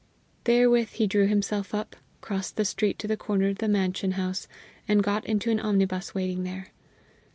Therewith he drew himself up, crossed the street to the corner of the Mansion House, and got into an omnibus waiting there.